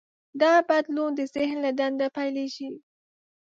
دا بدلون د ذهن له دننه پیلېږي.